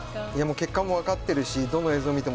結果も分かっているしどの映像見ても